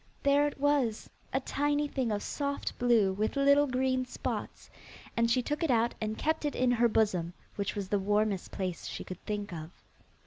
There it was, a tiny thing of soft blue with little green spots, and she took it out and kept it in her bosom, which was the warmest place she could think of.